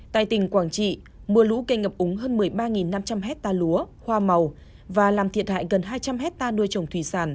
tại tỉnh quảng trị mưa lũ gây ngập úng hơn một mươi ba năm trăm linh hectare lúa hoa màu và làm thiệt hại gần hai trăm linh hectare nuôi trồng thủy sản